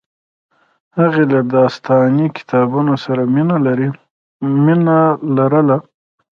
هغې له داستاني کتابونو سره مینه لرله